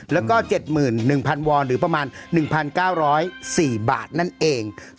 แล้วก็๗๑๐๐วอนหรือประมาณ๑๙๐๔บาทนั่นเอง